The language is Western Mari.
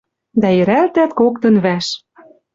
Дӓ йӹрӓлтӓт коктын вӓш.